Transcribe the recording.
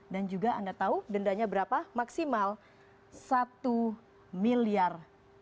dan juga anda tahu dendanya berapa maksimal rp satu miliar